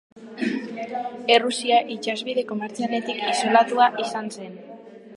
Errusia, itsas bide komertzialetatik isolatua izan zen.